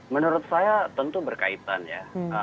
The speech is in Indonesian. menurut saya tentu berkaitan ya